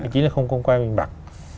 chính là không công khai minh bạch